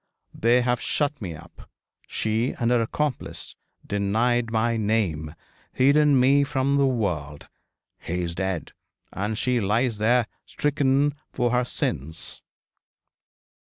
They have shut me up she and her accomplice denied my name hidden me from the world. He is dead, and she lies there stricken for her sins.'